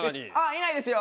いないですよ。